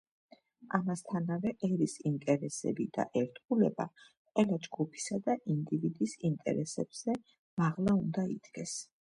ამასთანავე, ერის ინტერესები და ერთგულება ყველა ჯგუფისა და ინდივიდის ინტერესზე მაღლა უნდა იდგეს.